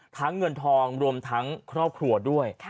เงินทองรวมทั้งครอบครัวด้วย